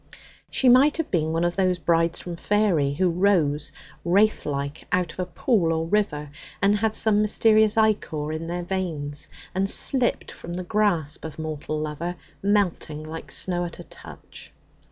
She might have been one of those brides from faery, who rose wraith like out of a pool or river, and had some mysterious ichor in their veins, and slipped from the grasp of mortal lover, melting like snow at a touch.